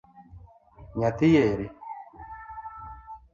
Nyathi ere?